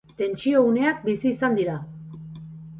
Tentsio uneak bizi izan dira.